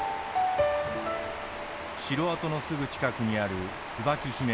城跡のすぐ近くにある椿姫観音。